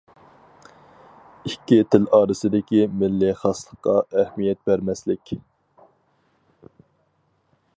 ئىككى تىل ئارىسىدىكى مىللىي خاسلىققا ئەھمىيەت بەرمەسلىك.